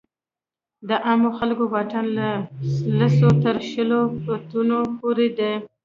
د عامو خلکو واټن له لسو تر شلو فوټو پورې دی.